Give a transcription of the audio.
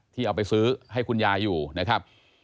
เอาไปซื้อให้คุณยายอยู่นะครับ